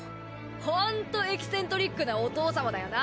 ホントエキセントリックなお父様だよな！